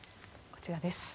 こちらです。